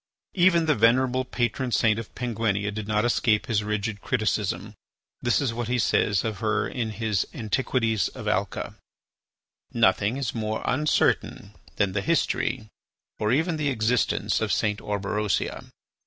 Even the venerable patron saint of Penguinia did not escape his rigid criticism. This is what he says of her in his "Antiquities of Alca": "Nothing is more uncertain than the history, or even the existence, of St. Orberosia.